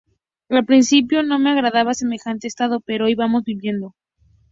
Al principio no me agradaba semejante estado; pero hoy, vamos viviendo".